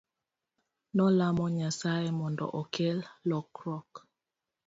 Nolamo Nyasaye mondo okel lokruok.